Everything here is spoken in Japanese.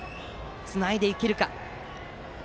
つないでいけるか。